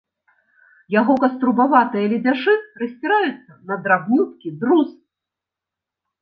Яго каструбаватыя ледзяшы расціраюцца на драбнюткі друз.